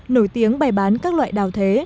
nổi tiếng bày bán các loại đào thế